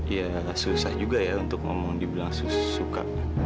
ya susah juga ya untuk ngomong dibilang suka